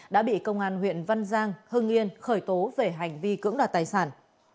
đã bị công an huyện văn giang hưng yên khởi tố về hành vi cưỡng đoạt tài sản